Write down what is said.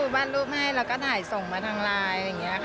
ก็วานรูปให้แล้วก็ถ่ายส่งมาทางไลน์